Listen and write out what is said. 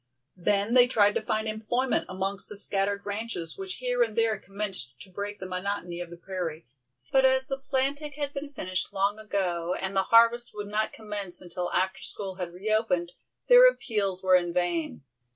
Then they tried to find employment amongst the scattered ranches which here and there commenced to break the monotony of the prairie, but as the planting had been finished long ago, and the harvest would not commence until after school had re opened, their appeals were in vain.